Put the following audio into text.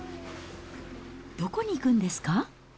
どこに行くんですか？